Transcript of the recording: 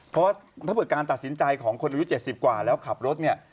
เพราะว่าถ้าเกิดการตัดสินใจของคนอายุ๗๐กว่าแล้วขับรถเนี่ย